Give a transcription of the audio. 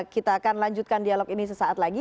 kita akan lanjutkan dialog ini sesaat lagi